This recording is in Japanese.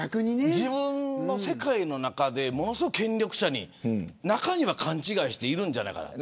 自分の世界の中でものすごく権力者に中には勘違いしているんじゃないかと。